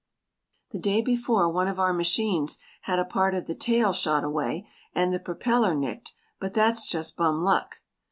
The day before one of our machines had a part of the tail shot away and the propeller nicked, but that's just bum luck.